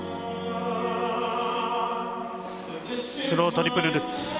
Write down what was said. スロートリプルルッツ。